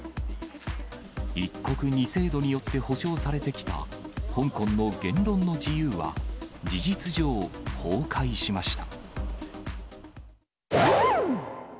一国二制度によって保障されてきた香港の言論の自由は、事実上、崩壊しました。